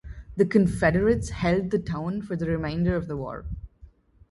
The Confederates held the town for the remainder of the war.